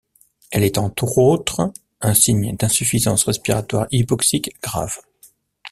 Elle est entre autres un signe d'insuffisance respiratoire hypoxique grave.